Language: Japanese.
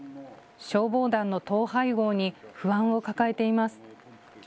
消防団の統廃合に不安を抱えています。